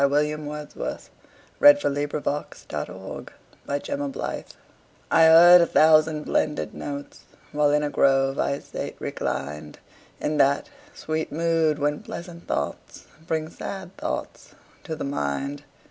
William Wordsworth Lines Written in Early Spring I HEARD a thousand blended notes, While in a grove I sate reclined, In that sweet mood when pleasant thoughts Bring sad thoughts to the mind.